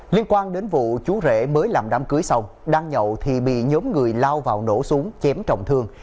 liên quan đến vụ chú rễ mới làm đám cưới xong đang nhậu thì bị nhóm người lao vào nổ súng chém trọng thương